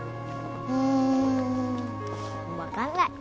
うーんわかんない。